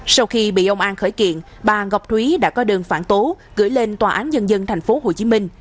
sau khi bị ông an khởi kiện bà ngọc thúy đã có đơn phản tố gửi lên tòa án nhân dân tp hcm